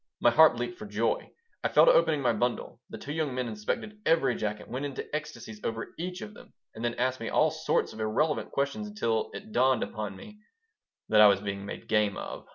My heart leaped for joy. I fell to opening my bundle. The two young men inspected every jacket, went into ecstasies over each of them, and then asked me all sorts of irrelevant questions until it dawned upon me that I was being made game of.